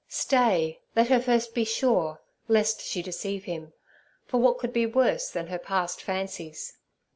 Stay, let her first be sure, lest she deceive Him, for what could be worse than her past fancies?